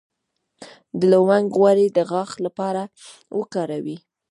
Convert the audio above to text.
د لونګ غوړي د غاښ لپاره وکاروئ